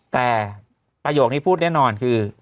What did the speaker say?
แต่ประโยคนี้พูดแน่นอนคือ